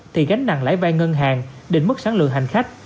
thì gánh nặng lãi vai ngân hàng định mức sáng lượng hành khách